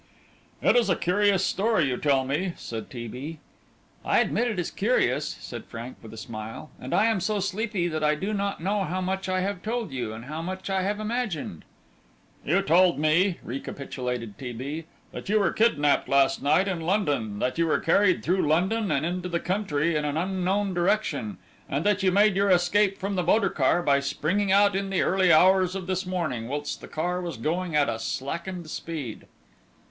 "It is a curious story you tell me," said T. B. "I admit it is curious," said Frank, with a smile, "and I am so sleepy that I do not know how much I have told you, and how much I have imagined." "You told me," recapitulated T. B., "that you were kidnapped last night in London, that you were carried through London and into the country in an unknown direction, and that you made your escape from the motor car by springing out in the early hours of this morning, whilst the car was going at a slackened speed."